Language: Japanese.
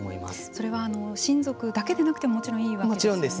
それは親族だけでなくてもちろんいいわけですよね。